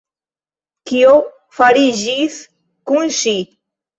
Kio fariĝis kun ŝi?